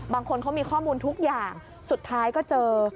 บางคนเขามีข้อมูลทุกอย่างสุดท้ายก็เจอ